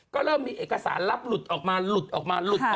ก็เริ่มมีเอกสารลับหลุดออกมาหลุดออกมาหลุดออกมา